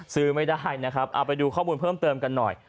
ซื้อไม่ได้นะครับเอาไปดูข้อมูลเพิ่มเติมกันหน่อย